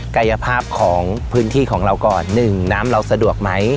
กายภาพของพื้นที่ของเราก่อน๑น้ำเราสะดวกไหม